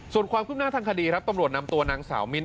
ส่วนความคืบหน้าทางคดีครับตำรวจนำตัวนางสาวมิ้นท